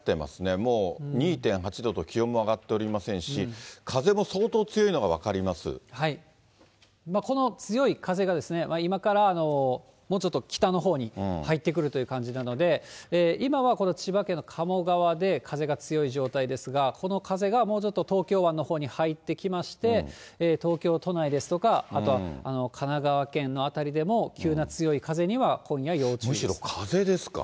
もう、２．８度と、気温も上がっておりませんし、この強い風が、今からもうちょっと北のほうに入ってくるという感じなので、今はこの千葉県の鴨川で風が強い状態ですが、この風がもうちょっと東京湾のほうに入ってきまして、東京都内ですとか、あとは神奈川県の辺りでも急な強い風には今夜、むしろ風ですか。